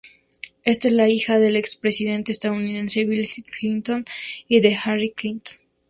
Es la única hija del expresidente estadounidense Bill Clinton y de Hillary Clinton.